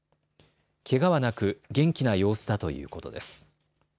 けがはなく元気な様子だということです。